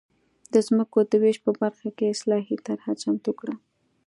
د ځمکو د وېش په برخه کې اصلاحي طرحه چمتو کړه.